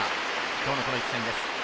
今日のこの一戦です。